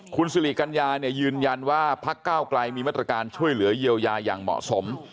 คุณสิริกัญญาเนี่ยยืนยันว่าพักเก้าไกลมีมาตรการช่วยเหลือเยียวยาอย่างเหมาะสม